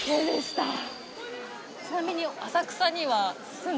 ちなみに。